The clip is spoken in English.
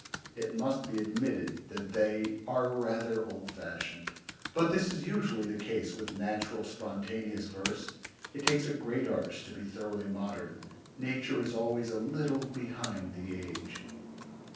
It must be admitted that they are rather old fashioned, but this is usually the case with natural spontaneous verse. It takes a great artist to be thoroughly modern. Nature is always a little behind the age.